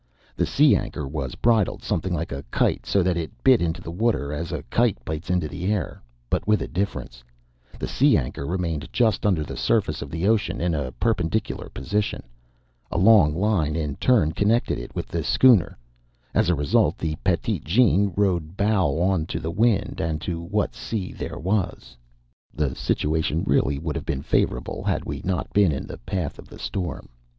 The sea anchor was bridled something like a kite, so that it bit into the water as a kite bites into the air, but with a difference. The sea anchor remained just under the surface of the ocean in a perpendicular position. A long line, in turn, connected it with the schooner. As a result, the Petite Jeanne rode bow on to the wind and to what sea there was. The situation really would have been favorable had we not been in the path of the storm.